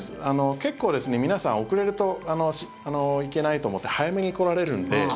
結構、皆さん遅れるといけないと思って早めに来られるんで。